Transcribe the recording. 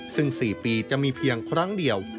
ซึ่ง๔ปีจะมีเพียงครั้งเดียว